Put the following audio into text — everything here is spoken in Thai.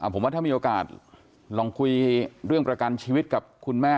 ผมว่าถ้ามีโอกาสลองคุยเรื่องประกันชีวิตกับคุณแม่